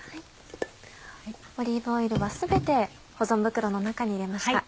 オリーブオイルは全て保存袋の中に入れました。